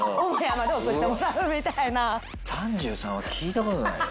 ３３は聞いた事ないよ。